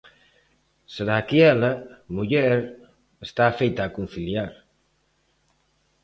Será que ela, muller, está afeita a conciliar.